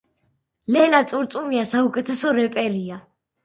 ლელა წურწუმია საუკეთესო რეპერია